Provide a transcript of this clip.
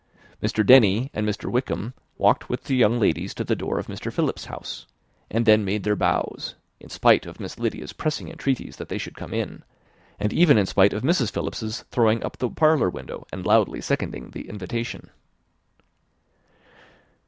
Mr. Denny and Mr. Wickham walked with the young ladies to the door of Mr. Philips's house, and then made their bows, in spite of Miss Lydia's pressing entreaties that they would come in, and even in spite of Mrs. Philips's throwing up the parlour window, and loudly seconding the invitation.